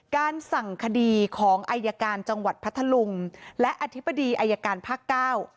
การสั่งคดีของอายการจังหวัดพัทธลุงและอธิบดีอายการภาคเก้า